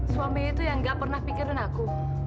suaminya tuh yang nggak pernah pikirin aku